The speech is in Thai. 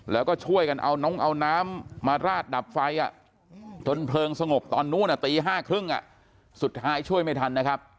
แล้วก็ช่วยกันเอาน้องเอาน้ำมาราดดับไฟจนเพลิงสงบตอนนู้นตี๕๓๐สุดท้ายช่วยไม่ทันนะครับ